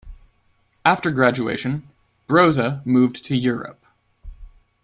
After graduation, Brose moved to Europe.